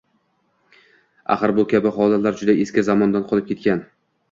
Axir bu kabi holatlar juda eski zamondan qolib ketgan.